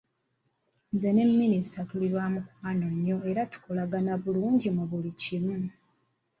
Nze ne minisita tuli baamukwano nnyo era tukolagana bulungi mu buli kimu.